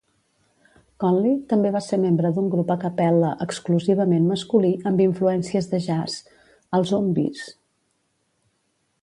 Conley també va ser membre d'un grup a cappella exclusivament masculí amb influències de jazz, els Zumbyes.